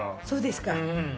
そうですか。